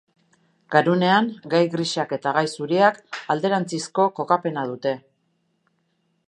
Garunean gai grisak eta gai zuriak alderantzizko kokapena dute.